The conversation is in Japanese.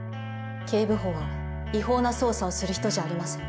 警部補は違法な捜査をする人じゃありません。